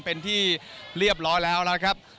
เป็นที่เรียบร้อยแล้วแล้วนะครับ